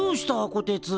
こてつ。